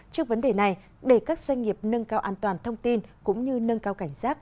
trước vấn đề này để các doanh nghiệp nâng cao an toàn thông tin cũng như nâng cao cảnh giác